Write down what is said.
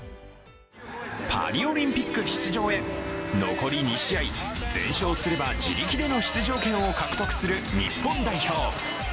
パリオリンピック出場へ残り試合、全勝すれば自力での出場権を獲得する日本代表。